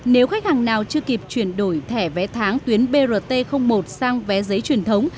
nếu khách hàng nào chưa kịp chuyển đổi thẻ vé tháng tuyến brt một sang vé giấy truyền thống